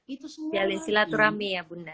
itu semua lagi